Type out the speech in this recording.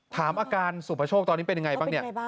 ถามอาการสุภาโชคตอนนี้เป็นอย่างไรบ้าง